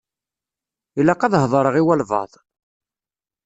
Ilaq ad heḍṛeɣ i walebɛaḍ.